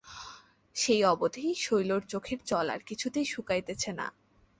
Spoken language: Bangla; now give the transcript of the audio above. সেই অবধি শৈলর চোখের জল আর কিছুতেই শুকাইতেছে না।